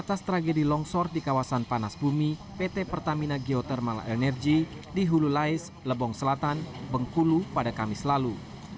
atas tragedi longsor di kawasan panas bumi pt pertamina geothermal energy di hulu lais lebong selatan bengkulu pada kamis lalu